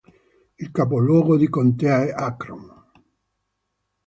Il capoluogo di contea è Akron.